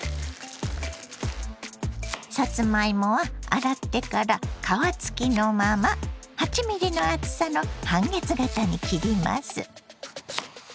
さつまいもは洗ってから皮付きのまま８ｍｍの厚さの半月形に切ります。